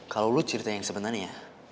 kalau lu cerita yang sebenarnya